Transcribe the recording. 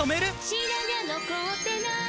「白髪残ってない！」